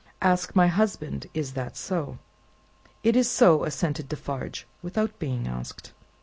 Ask my husband, is that so." "It is so," assented Defarge, without being asked.